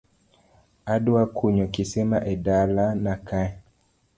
Adwa kunyo kisima e dala na kae